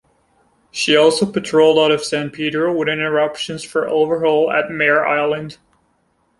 She also patrolled out of San Pedro with interruptions for overhaul at Mare Island.